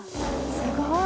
すごい。